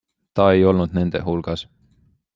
Ta ei olnud nende hulgas.